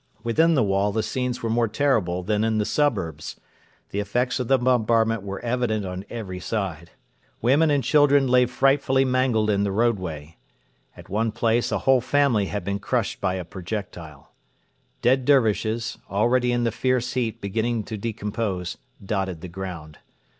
Within the wall the scenes were more terrible than in the suburbs. The effects of the bombardment were evident on every side. Women and children lay frightfully mangled in the roadway. At one place a whole family had been crushed by a projectile. Dead Dervishes, already in the fierce heat beginning to decompose, dotted the ground.